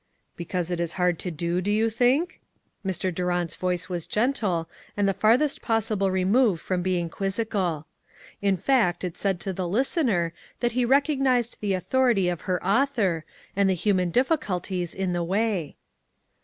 "Because it is hard to do, do you think?" Mr. Durant's voice was gentle, and the farthest possible remove from being quizzical. In fact, it said to the listener that he rec ognized the authority of her Author, and the human difficulties in the way.